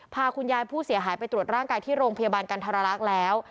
พาคุณยายผู้เสียหายไปตรวจร่างกายที่โรงพยาบาลกันธรรักษ์แล้ว